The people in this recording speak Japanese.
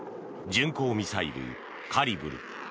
巡航ミサイル、カリブル。